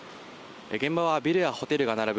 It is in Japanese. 現場はビルやホテルが並ぶ